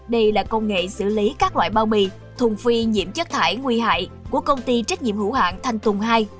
đây là công nghệ xử lý các loại bao bì thùng phi nhiễm chất thải nguy hại của công ty trách nhiệm hữu hạng thanh tùng hai